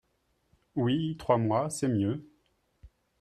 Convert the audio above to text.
Oui, trois mois, c’est mieux.